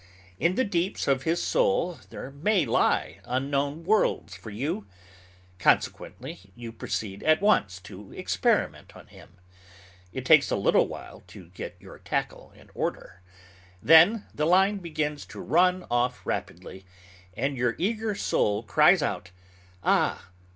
In the deeps of his soul there may lie unknown worlds for you. Consequently you proceed at once to experiment on him. It takes a little while to get your tackle in order. Then the line begins to run off rapidly, and your eager soul cries out, "Ah!